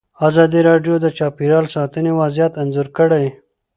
ازادي راډیو د چاپیریال ساتنه وضعیت انځور کړی.